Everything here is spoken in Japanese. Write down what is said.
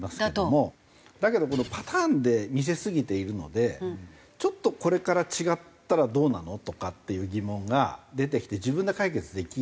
だけどパターンで見せすぎているのでちょっとこれから違ったらどうなの？とかっていう疑問が出てきて自分で解決できにくいですよね。